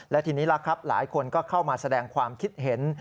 และทีนี้ล่ะครับหลายคนก็เข้ามาแสดงความคิดเห็น